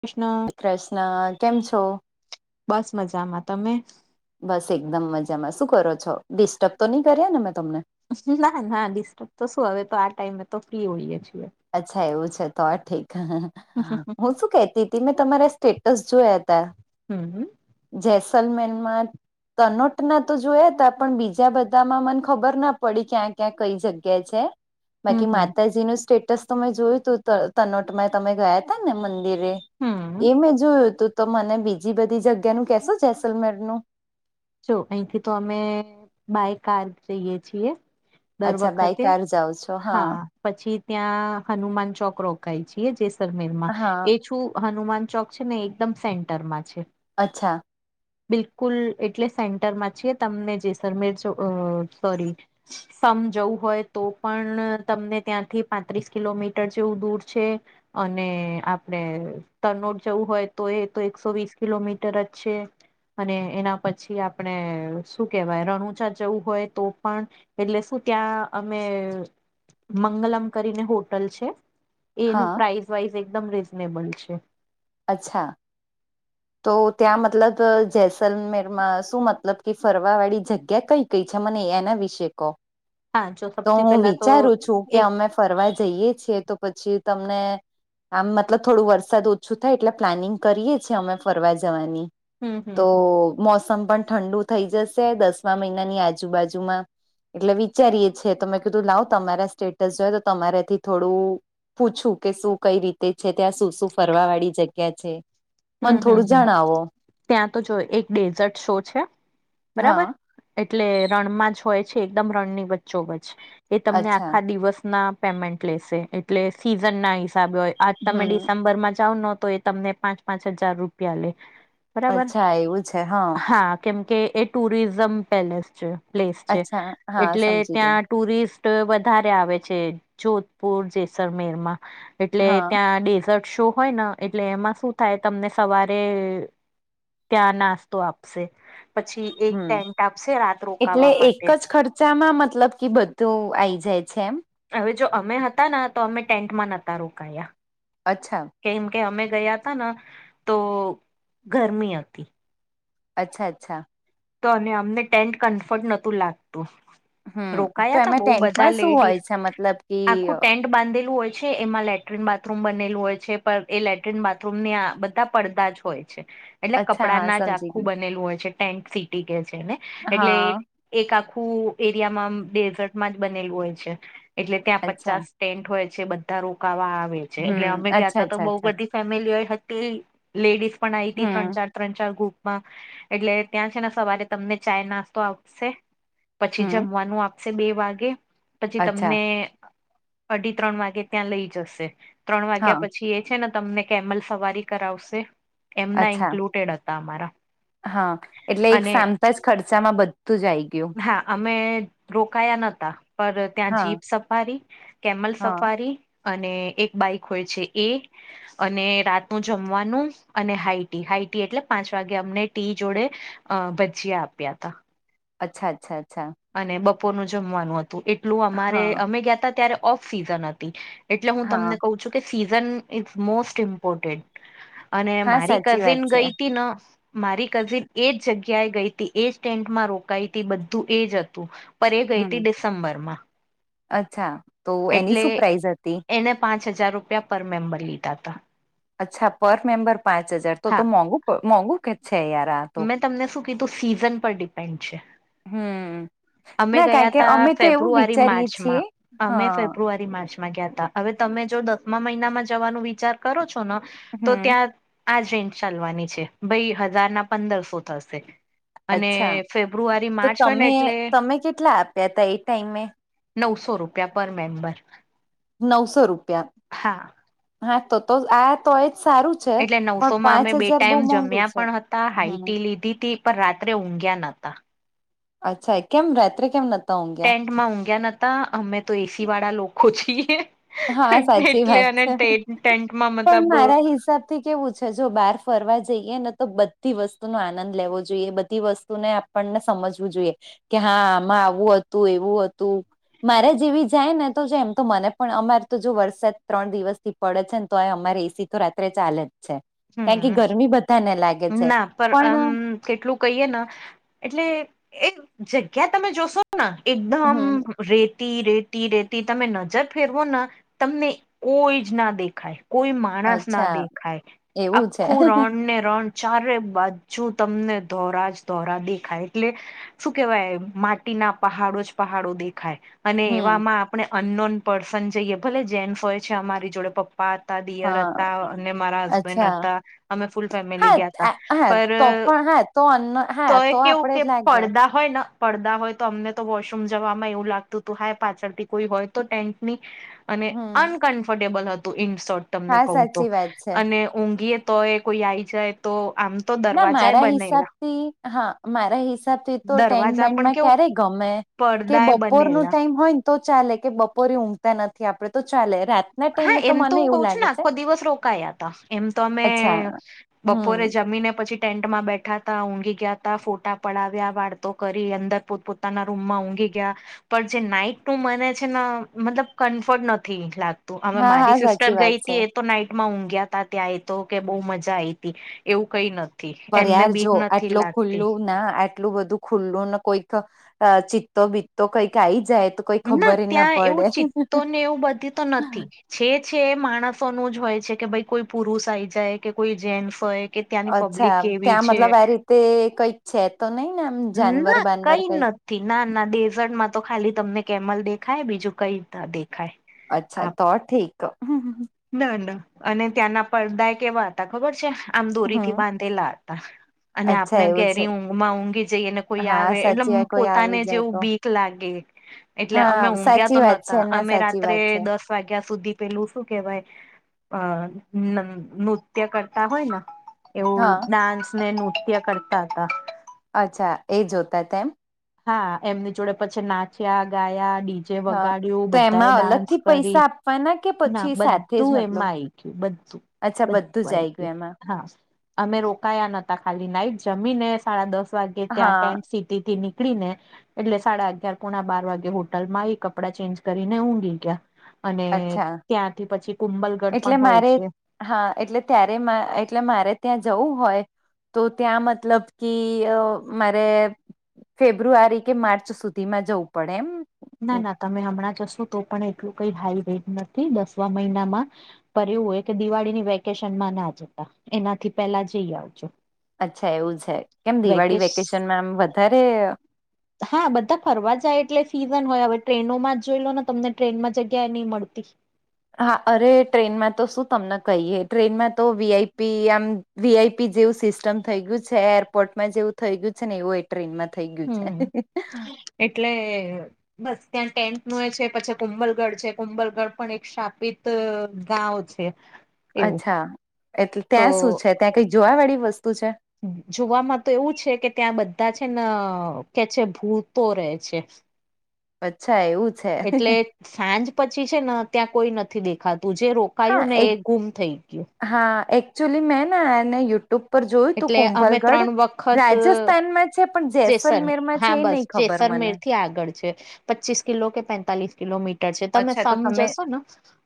કૃષ્ણ કૃષ્ણ કેમ છો? બસ મજામાં તમે? બસ એકદમ મજામાં શું કરો છો ડિસ્ટર્બ તો નહી કર્યા ને મેં તમને? ના ના ડિસ્ટર્બ તો શું હવે તો આ ટાઈમે તો ફ્રી હોઈએ છીએ. અચ્છા એવું છે તો ઠીક હમ હું શું કેતી તે મેં તમારા સ્ટેટસ જોયા તા. હમ હમ જેૈસલમેર મા તનોટ ના તો જોયા તા પણ બીજા બધામાં મને ખબર ના પડી ક્યાં ક્યાં કઈ જગ્યા છે. હમ બાકી હમ માતાજી નું સ્ટેટસ તો મે જોયું તું તનોટમાં ગયા તો ને મંદિરે હમ એ મેં જોયું તું તો મને બીજી બધી જગ્યાનું કેશો જેસલમેર નું? જો અહીંથી તો અમે બાય કાર જઈએ છીયે. અચ્છા તો બાઈ કાર જાવ હા પછી ત્યાં હનુમાન ચોક રોકાઈ છીયે જેસલમેર માં. હા એ છું હનુમાન ચોક છે ને એકદમ સેન્ટર માં છે. અચ્છા. બિલકુલ એટલે સેન્ટર મા જ છે તમને જેસલમેર જો અહ સોરી સમજવું હોય તો પણ તમને ત્યાંથી પાંત્રીસ કિલોમીટર જેવું દૂર છે. અને આપડે તનોડ જવું હોય તોય એકસોવીસ કિલોમીટર જ છે. અને એના પછી આપણે શું કેવાય રણુજા જવું હોય તો પણ એટલે શું ત્યાં અમે મંગલમ કરી ને હોટલ છે એનું હા પ્રાઇઝ વાઇઝ એકદમ રીજનેબલ છે. અચ્છા. તો ત્યાં મતલબ જેસલમેર અહ માં શું મતલબ ફરવા વાળી જગ્યા કઈ? છે મને એના વિષે કો હા જો તો સૌથી હું પેલા તો વિચારું છું કે એક અમે ફરવા જઈએ છીયે તો પછી તમને. આમ મતલબ થોડું વરસાદ ઓછું થાય એટલે પ્લાનિંગ કરીએ છીયે અમે. ફરવા જવાની હમ હમ તો મોસ સમ પણ ઠંડુ થઈ જસે દસમા મહિનાની આજુબાજુ માં. એટલે વિચારીએ છીયે તો મેં કીધું લાવ તમારા સ્ટેટ્સ જોયા તો તમારે હજી થોડું પૂછું કે શું કઈ રીતે છે ત્યાં શું શું ફરવાવાળી જગ્યા છે? હમ્મ મને હમ્મ થોડું હમ્મ જણાવો ત્યાં તો જો એક ડેઝર્ટ શો છે બરાબર? હા એટલે રણમાંજ હોય છે એકદમ રણની વચ્ચોવચ એ તમને અચ્છા આખા દિવસના પેમેન્ટ લેશે એટલે સિઝન ના હિસાબે હોય આજ તમે હમ ડિસેમ્બર માં જાવ ને તો તમને પાંચ પાંચ હજાર રૂપિયા લે બરાબર અચ્છા એવું છે હા. કેમ કે એ ટુરિઝમ પેલેસ છે પ્લેસ છે અચ્છા હા એટલે સમજી ગઈ ત્યાં ટુરિસ્ટ વધારે આવે છે જોધપુર જેસલમેર માં. એટલે હા ત્યાં ડેઝર્ટ શો હોય ને એટલે એમાં શું થાય તમાને સવારે ત્યાં નાસ્તો આપશે પછી એક હમ ટેન્ટ આપશે રાત રોકાવા માટે. ચા માં મતલબ કે બધું આવી જાય છે એમ. હવે જો અમે હતા ને તો અમે ટેન્ટ માં ન્હોતા રોકાયા. અચ્છા. કેમ કે અમે ગયા તા ને તો ગરમી હતી. અચ્છા અચ્છા. તો ને અમને ટેન્ટ કન્ફર્ટ નહોતું લાગતું. હમ તો રોકાયા તા એમાં બોવ બધા ટેન્ટમાં શું હોય લેડીઝ છે મતલબ કે આખું ટેન્ટ બાંધેલું હોય છે એમાં લેટરીન બાથરૂમ બનેલું હૉય છે પર એ લેટરીન બાથરૂમ માં બધે પડદા જ હોય. એટલે અચ્છા હા કપડાંનાજ સમજી આખું ગયું બનેલું હોય છે ટેન્ટ સીટી કે છે એને એટલે. હા એક આખું એરિયા માં આમ ડેઝર્ટ માંજ બનેલું હોય છે એટલે ત્યાં અચ્છા પચાસ ટેન્ટ હોય છે ત્યાં બધા રોકાવા આવે છે એટલે હમ અમે ગયા અચ્છા તા તો અચ્છા બોવ અચ્છા બધી ફેમિલી હતી લેડીઝ પણ આવીતી ત્રણ હમ ચાર ત્રણ ચાર ગ્રુપ માં એટલે ત્યાં છે ને તમને ચા નાસ્તો આપશે. પછી હમ જમવાનું આપશે બે વાગે પછી અચ્છા તમને અઢી ત્રણ વાગે ત્યાં લઈ જસે ત્રણ હા વાગ્યા પછી એક છે ને તમને કેમલ સવારી કરાવશે એમના અચ્છા એક રિલેટેડ હતા અમારા. હા એટલે એક અને સામટાજ ખર્ચા મા બધુજ આઈ ગયું હા અમે રોકાયા નહોતા પર હા ત્યાંથી એક સફારી કેમલ હા સફારી અને એક બાઈક હોય છે એ અને રાતનું જમવાનું અને હાઈ ટી, હાઈ ટી એટલે પાંચ વાગે અમને ટી જોડે અહ ભજીયા આપ્યા તા. અચ્છા અચ્છા અચ્છા. અને બપોરનું જમવાનું હતું એટલું અમારે, હા અમારે ગયા હતા ત્યારે ઓફ સિઝન હતી. એટલે હું હા તમને કહું છું કે સિઝન ઇઝ મોસ્ટ ઇમ્પોર્ટન્ટ અને હા મારી સાચી વાત કઝિન છે ગઈ તી ન મારી કઝિન એજ જગ્યાએ ગઈ હતી, એજ ટેન્ટમાં રોકાઈ હતી, બધું એજ હતું. પર એ ગઈ હમ હતી ડિસેમ્બરમાં. અચ્છા. તો એની એટલે શું પ્રાઇઝ હતી એને પાંચ હજાર રૂપિયા પર મેમ્બર લીધા તા. અચ્છા પર મેમ્બર પાંચ હજાર, તો તો હા મોંઘુ પ મોંઘું કે છે યાર. તો મેં તમને શું કીધું સીઝન પર ડિપેન્ડ છે. હમ્મ. અમે ગયા તા ફેબ્રુઆરી છીએ માર્ચમાં, અમે હા ફેબ્રુઆરી માર્ચ માં ગયા તા, હવે તમે જો દસમા મહિનામાં જવાનું વિચાર કરો છો ને તો હમ ત્યાં આજ રેન્જ ચાલવાની છે ભાઈ હજારના પંદરસો થશે. અને અચ્છા ફેબ્રુઆરી તો માર્ચ હોય ને તમે એટલે તમે કેટલા આપ્યા તા એ ટાઈમે નવસો રૂપિયા પર મેમ્બર. નવસો રૂપિયા. હા હા તો તો આ તો એજ સારું છે એટલે પણ નવસોમાં પાંચ અમે બે હજાર બહુ ટાઈમ મોંઘુ જમ્યા છે પણ હતા, હમ હાઇટી લીધી તી પણ રાત્રે ઊંઘ્યા નતા. અચ્છા કેમ રાત્રે કેમ ન ટેન્ટમાં ઊંઘ્યા નતા, અમે તો એ સી વાળા લોકો છીએ. હા સાચી એટલે વાત અને છે, ટેન્ટમાં પણ મતલબ મારા હિસાબ થી કેવું છે જો બહાર ફરવા જઈએ ને તો બધી વસ્તુનો આનંદ લેવો જોઈએ, બધી વસ્તુને આપ ણને સમજવું જોઈએ કે હા આમાં આવું હતું, એવું હતું મારે જેવી જાય ને તો છે એમ તો મને પણ અમારે તો જો વરસાદ ત્રણ દિવસથી પડે છે ને તોય અમારે એ સી તો રાત્રે ચાલે જ છે. ક્યાં હમ કે ગરમી બધાને લાગે છે ના પર પણ આમ અહ કેટલું કહીએ ને એટલે એ જગ્યા તમે જોશોના એકદમ હમ રેતી રેતી રેતી તમે નજર ફેરવો ના તમને કોઈ જ ના દેખાય, કોઈ માણસ ના અચ્છા દેખાય. એવું છે આખું રણને રણ ચારે બાજુ તમને ધોરા જ ધોરા દેખાય એટલે શું કેવાય માટીના પહાડો જ પહાડો દેખાય. અને હમ એવામાં આપણે અનનોન પર્સન જઈએ, ભલે જેન્સ હોય છે અમારી જોડે પપ્પ પા હતા દિયર હા અને મારા હસબ બેન્ડ અચ્છા હતા, અમે ફૂલ ફેમિલી હા ગયા તા, આ- હા પર તો અહ પણ હા તો અન્ન હા તો એ કેવું આપડે કે જ લાગે પડદા પડદા હોય પડદા હોય તો અમને તો વોશરૂમ જવામાં એવું લાગતું હતું હાય પાછળથી કોઈ હોય તો ટેન્ટની અને હમ અનકમફર્ટેબલ હતું, ઇન શોર્ટ તમને હા કહું તો સાચી વાત છે અને, ઊંઘીય તોય, કોઈ આવી જાય તો આમ તો ના દરવાજા મારા બનેલા હિસાબથી, હા મારા હિસાબથી તો ટેન્ટ દરવાજા પણ બેન્ટમાં કેવું ક્યારેય ગમે કે પડદાય બપોરનો બનેલા ટાઈમ હોય ને તો ચાલે કે બપોરે ઊંઘતા નથી આપડે તો ચાલે રા હા એમ તો હું કઉ છું ને આખો દિવસ રોકાયા હતા, એમ તો અમે અચ્છા હમ બપોરે જમીને પછી, ટેન્ટમાં બેઠા હતા, ઊંઘી ગયા હતા, ફોટા પડાવ્યા, વાતો કરી, અંદર પોતપ પોતાના રૂમમાં ઊંઘી ગયા. પણ જે નાઈટનું મને છે ન મતલબ કમ્ફર્ટ નથી લાગતું. તો આમાં હા મારી હા સિસ્ટર સાચી વાત છે ગઈતી. તો નાઈટમાં ઊંઘ્યા તા ત્યાં એ તો કે બહુ મજા આઈ તી એવું કઈ નથી. એમને ફરયાલ બીક જો નથી આટલું લાગતી ખુલ્લું ના આટ. આટલું બધું ખુલ્લું ને કોઈક ચિત્તો બીત્તો કંઇક આઈ જાય તો. કઈ ના ખબર ય ત્યાં પડે એવું ચિત્તો ને એવું બધી તો નથી જ. છે છે એ માણસોનું જ હોય છે કે ભઈ કોઈ પુરુષ આઈ જાય કે કોઈ જેન્ટસ હોય. કે ત્યાંની પબ્લિક કેવી છે. તે કંઇક છે તો નહી ને આમ જાનવર બાનવર કંઇક. થીનાર્ડના ડેઝર્ટમાં તો ખાલી તમને કેમલ દેખાય બીજું કંઇ ન દેખાય. અચ્છા આપ તો ઠીક હમ. ના ના અને ત્યાંના પડદાય કેવા હતા ખબર છે. આમ હમ દોરીથી બાંધેલા હતા અને અચ્છા આપણે એવું છે ઘેરી ઊંઘમાં ઊંઘી. જઈએ ને કોઈ હા આવે એટલે સાચી એમ વાત કોઈ આવી પોતાને જાય જેવું તો બીક લાગે એટલે હા અમે ઊંઘ્યા સાચી તો વાત નથ. છે તા ના અમે સાચી રાત્રે વાત છે દસ વાગ્યા સુધી પેલું શું કેહવાય. અ ન નૃત્ય કરતા હોય ને. એવું હા ડાન્સને નૃત્ય કરતા હતાં. અચ્છા એ જોતાતાં એમ. હા એમની જોડે પછી નાચ્યાં ગાયા ડી. જે હા વગાડ્યું બધાએ ડાન્સ કરી. ફને. ના બધું એમાં આય ગયું બધું અચ્છા બધું જ આય આઈ ગયું એમાં હા. અમે રોકાયા નતાં ખાલી નાઈટ જમીને સાડા દસ વાગે ત્યાં હા ટેન્ટ સીટીથી નીક ળીને. એટલે સાડા અગયાર પોણાં બાર વાગે હોટલમાં આઈ કપડાં ચેન્જ કરીને ઊંઘી ગીયા. અને અચ્છા ત્યાંથી પછી કુંબલગઢ એટલે પણ હોય મારે છે. હા એટલે ત્યારે મા એટલે મારે ત્યાં જવું હોય. તો ત્યાં મતલબ કી અ મારે. ફેબ્રુઆરી કે માર્ચ સુધીમાં જવું પડે એમ. ના ના તમે હમણાં જશો તો પણ એટલું કંઈ હાઈ રેટ નથી દસમાં મહિનામાં. કર્યું હોય ત દિવાળીની વેકેશનમાં ના જતા એનાથી પેલા જઈ આવજો. અચ્છા એવું છે કેમ દિવાળી વેકેશ વેકેશનમાં આમ વધારે. હા બધાં ફરવા જાય એટલે. સિઝન હોય હવે ટ્રેનોમાં જ જોઈ લો ને તમને ટ્રેનમાં જગ્યાએ નહીં મળતી. હા અરે ટ્રેનમાં તો શું તમને કહીએ તો વીઆઈપી આમ. વીઆઈપી જેવું સિસ્ટમ થઈ ગયું છે એરપોર્ટમાં જેવું થઈ ગયું છે ને એવું. ટ્રેનમાં થઇ ગયું હમ છે એટલે. બસ ત્યાં ટેન્ટનું એ છે પછી કુંબલગઢ છે કુંબલગઢ પણ એક સ્થાપિત ગાંવ છે. [inaudible] અચ્છા એટલે તો ત્યાં શું છે ત્યાં કઈંક જોવા વાળી વસ્તુ છે. જોવામાં તો એવું છે કે ત્યાં બધા છે ન કે છે ભૂતો રહે છે. અચ્છા એવું. છે એટલે સાંજ પછી છે ને ત્યાં કોઈ નથી દેખાતું જે રો હા કાયું ને એક એ ગુમ થઈ ગયું. હા એક્ચુલી મેં ને એને યુ ટુબ ઉપર જોયું તું એટલે અમે કુંભલગઢ ત્રણ વખત રાજસ્થાનમાં એ છે પણ જેસર જેસલમેરમાં છે હા એ નઈ બસ જેસરમેર થી આગળ છે પચીસ કિલો કે પેતાલીસ કિલોમી તમે અચ્છા તો તમે સમજશો ને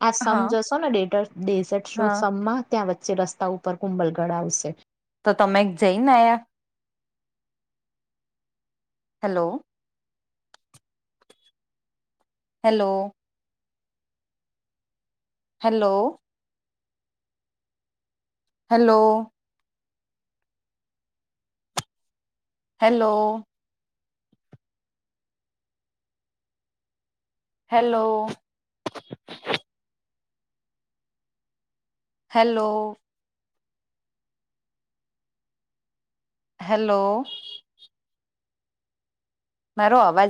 આ હા સમજશો ને ડે ડેઝર્ટ શો હા સમમાં ત્યાં વચ્ચે રસ્તા ઉપર કુંબલગઢ આવશે. તો તમે જઈને આયા? Hello hello hello hello hello hello hello hello મારો અવાજ